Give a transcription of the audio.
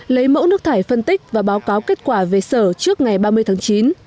lấy mẫu nước thải phân tích và báo cáo kết quả về sở trước ngày ba mươi tháng chín